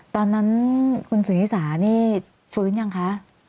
ตอนนั้นคุณสุนิสานี่ฟื้นยังคะ